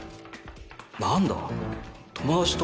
何だ？